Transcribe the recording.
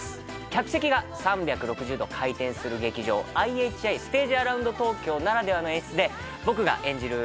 客席が３６０度回転する劇場ＩＨＩステージアラウンド東京ならではの演出で僕が演じる